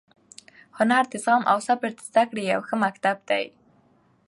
هنر د زغم او صبر د زده کړې یو ښه مکتب دی.